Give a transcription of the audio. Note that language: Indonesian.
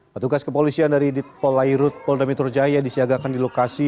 patugas kepolisian dari polairut poldamitrojaya disiagakan di lokasi